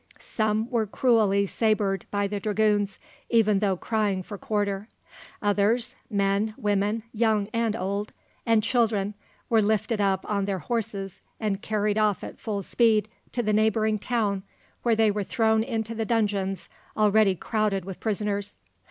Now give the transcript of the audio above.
Some were cruelly sabred by the dragoons, even though crying for quarter. Others men, women (young and old), and children were lifted up on their horses, and carried off at full speed to the neighbouring town, where they were thrown into the dungeons already crowded with prisoners.